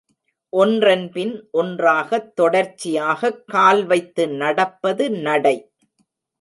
ஒன்றன் பின் ஒன்றாகத் தொடர்ச்சியாகக் கால் வைத்து நடப்பது நடை.